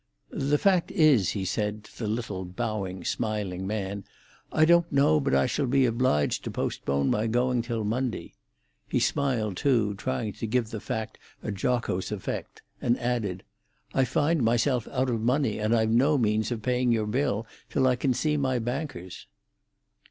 "The fact is," he said, to the little bowing, smiling man; "I don't know but I shall be obliged to postpone my going till Monday." He smiled too, trying to give the fact a jocose effect, and added, "I find myself out of money, and I've no means of paying your bill till I can see my bankers."